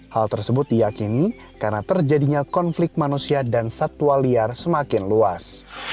hal tersebut diyakini karena terjadinya konflik manusia dan satwa liar semakin luas